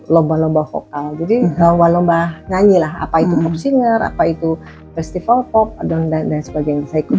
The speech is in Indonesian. lomba lomba vokal jadi wala lomba nyanyi lah apa itu pop singer apa itu festival pop dan sebagainya